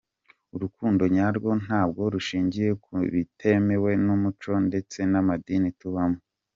Urukundo nyarwo ntabwo rushingiye ku bitemewe n’umuco ndetse n’amadini tubamo.